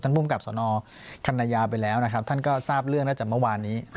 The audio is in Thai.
ภูมิกับสนคันยาไปแล้วนะครับท่านก็ทราบเรื่องตั้งแต่เมื่อวานนี้